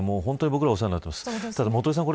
本当に僕たちお世話になっています。